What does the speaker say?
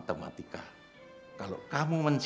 kemudian lebih jauh di wyniooch